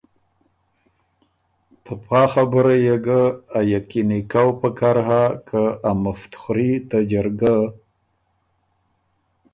ته پا خبُره يې ګه ا یقیني کؤ پکر هۀ که ا مفت خؤري ته جرګه